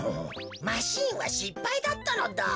マシーンはしっぱいだったのだ。